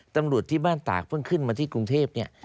ตำรวจที่บ้านตากเพิ่งขึ้นมาที่กรุงเทพเนี่ย